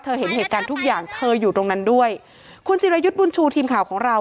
เห็นเหตุการณ์ทุกอย่างเธออยู่ตรงนั้นด้วยคุณจิรายุทธ์บุญชูทีมข่าวของเรา